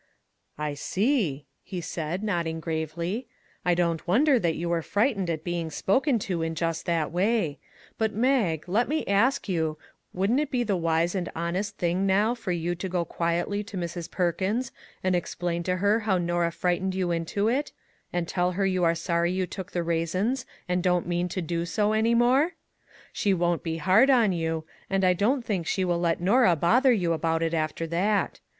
" I see !" he said, nodding gravely. " I don't wonder you were frightened at being spoken to in just that way; but, Mag, let me ask you, wouldn't it be the wise and honest thing now for you to go quietly to Mrs. Perkins and ex plain to her how Norah frightened you into it, and tell her you are sorry you took the raisins, and don't mean to do so any more ? She won't be hard on you; and I don't think she will let Norah bother you about it after that.